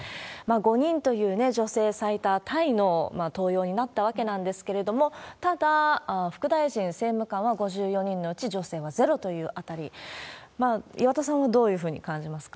５人という女性最多タイの登用になったわけなんですけれども、ただ、副大臣、政務官は５４人のうち、女性はゼロというあたり、岩田さんはどういうふうに感じますか？